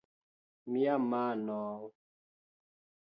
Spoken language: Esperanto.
Mia mano...